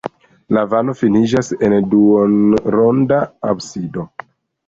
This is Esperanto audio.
La navo finiĝas en duonronda absido.